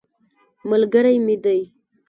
ملګری مې دی.